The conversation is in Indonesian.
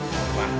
mama udah lah